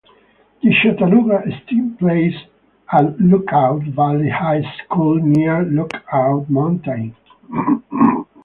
The Chattanooga Steam plays at Lookout Valley High School near Lookout Mountain.